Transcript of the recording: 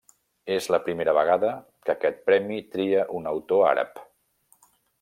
És la primera vegada que aquest premi tria un autor àrab.